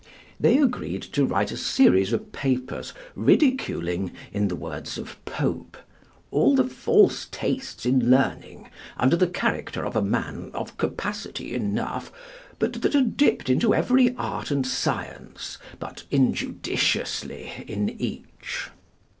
They agreed to write a series of papers ridiculing, in the words of Pope, "all the false tastes in learning, under the character of a man of capacity enough, but that had dipped into every art and science, but injudiciously in each."